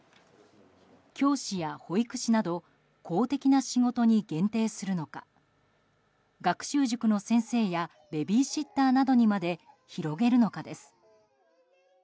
教師や保育士など公的な仕事に限定するのか学生塾の先生やベビーシッターなどにまで広げるのかです。